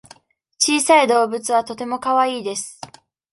小さい動物はとてもかわいいです。